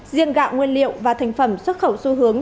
riêng gạo nguyên liệu và thành phẩm xuất khẩu xu hướng